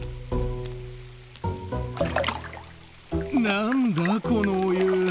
何だこのお湯！